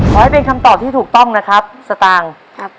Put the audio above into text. ขอให้เป็นคำตอบที่ถูกต้องนะครับสตางค์ครับ